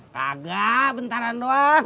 kagak bentaran doang